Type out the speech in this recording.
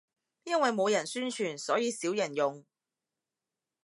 因為冇人宣傳，所以少人用